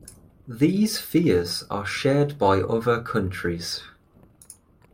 These fears are shared by other countries.